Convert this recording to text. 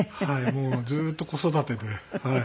もうずっと子育てで。